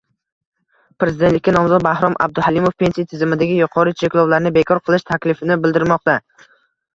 Prezidentlikka nomzod Bahrom Abduhalimov pensiya tizimidagi yuqori cheklovlarni bekor qilish taklifini bildirmoqda